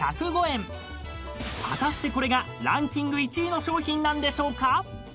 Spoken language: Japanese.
［果たしてこれがランキング１位の商品なんでしょうか？］